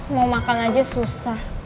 mau makan aja susah